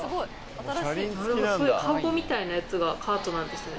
そういうカゴみたいなやつがカートなんですね。